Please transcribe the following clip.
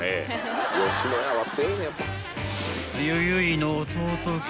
［よよいの弟君は？］